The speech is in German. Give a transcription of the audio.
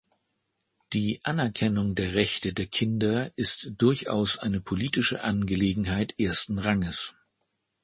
Die Anerkennung der Rechte der Kinder ist durchaus eine politische Angelegenheit ersten Ranges.